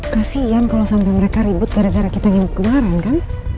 kasian kalau sampai mereka ribut gara gara kita ngikut kemarin kan